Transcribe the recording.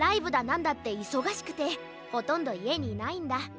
なんだっていそがしくてほとんどいえにいないんだ。